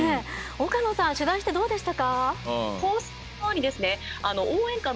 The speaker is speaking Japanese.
岡野さん取材してどうでしたか？